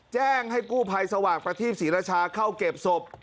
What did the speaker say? แจ้งให้กู้ภัยสว่างประทีปศรีราชาเข้าเก็บศพ